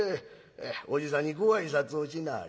おじさんにご挨拶をしなはれ。